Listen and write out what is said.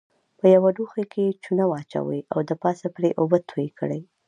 په یوه لوښي کې چونه واچوئ او پاسه پرې اوبه توی کړئ.